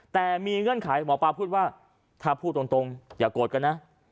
แต่มีเงื่อนไขหมอปลาพูดว่าถ้าพูดตรงอย่าโกรธกันนะ